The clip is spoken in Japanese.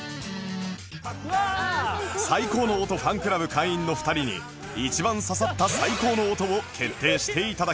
最高の音ファンクラブ会員の２人に一番刺さった最高の音を決定していただきます